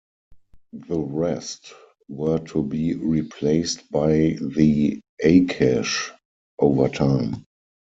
The rest were to be replaced by the Akash, over time.